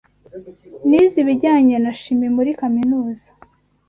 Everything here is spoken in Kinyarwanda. Nize ibijyanye na chimie muri kaminuza.